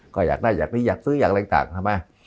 ก็อยากได้อยากซื้ออยากอะไรต่างใช่ไหม